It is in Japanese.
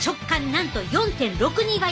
なんと４．６２倍！